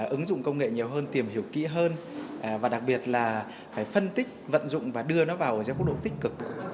ứng dụng công nghệ nhiều hơn tìm hiểu kỹ hơn và đặc biệt là phải phân tích vận dụng và đưa nó vào giáo dục tích cực